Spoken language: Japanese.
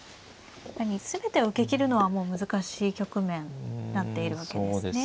全てを受けきるのはもう難しい局面になっているわけですね。